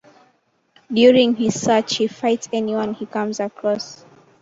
During his search, he fights anyone he comes across.